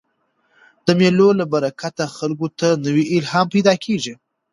د مېلو له برکته خلکو ته نوی الهام پیدا کېږي.